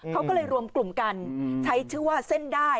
เขาก็เลยรวมกลุ่มกันใช้ชื่อว่าเส้นได้